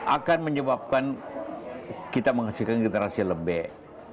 akan menyebabkan kita menghasilkan generasi yang lebih